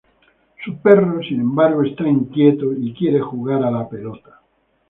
Su perro, sin embargo está inquieto y quiere jugar a la pelota.